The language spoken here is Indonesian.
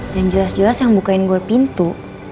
yang jelas jelas yang bukain gue pintu